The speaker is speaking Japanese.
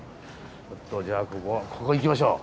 ちょっとじゃあここ行きましょう